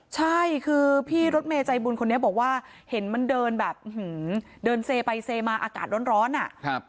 ใช่คือพี่รถเมย์ใจบุญคนนี้บอกว่าเห็นมันเดินแบบเดินเซไปเซมาอากาศร้อนอ่ะ